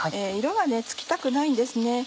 色がつきたくないんですね。